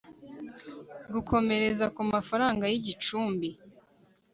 gukomereza ku mafaranga y igicumbi